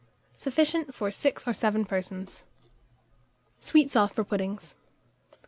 Sufficient for 6 or 7 persons. SWEET SAUCE FOR PUDDINGS.